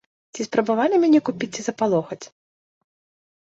Ці спрабавалі мяне купіць ці запалохаць?